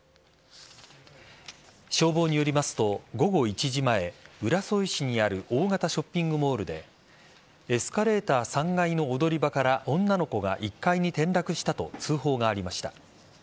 消防によりますと午後１時前浦添市にある大型ショッピングモールでエスカレーター３階の踊り場から女の子が１階に転落したと通報がありました。